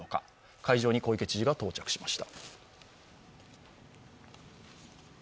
会場に小池知事が到着しました。